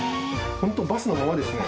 ホントバスのままですね。